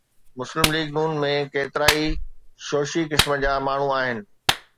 مسلم ليگ (ن) ۾ ڪيترائي شوشي قسم جا ماڻهو آهن.